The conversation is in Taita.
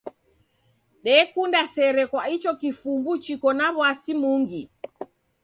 Dekunda sere kwa icho kifumbu chiko na w'asi mungi.